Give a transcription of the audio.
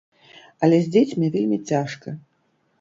Але з дзецьмі вельмі цяжка.